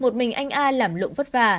một mình anh a làm lụng vất vả